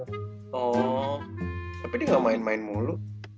oh tapi dia gak main main mulu